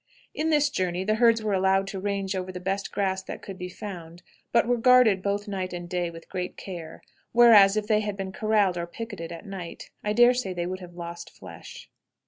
In this journey the herds were allowed to range over the best grass that could be found, but were guarded both night and day with great care, whereas, if they had been corraled or picketed at night, I dare say they would have lost flesh.